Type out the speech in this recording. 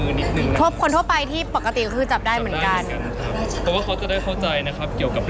คุณต้องไปคุยกับทางเจ้าหน้าที่เขาหน่อย